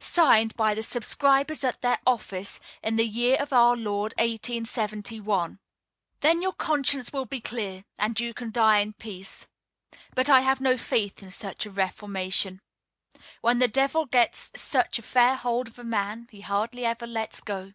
Signed by the subscribers at their office, in the year of our Lord_ 1871." Then your conscience will be clear, and you can die in peace. But I have no faith in such a reformation. When the devil gets such a fair hold of a man he hardly ever lets go.